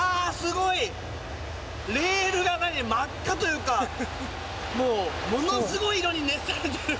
レールが真っ赤というかもうものすごい色に熱せられてる！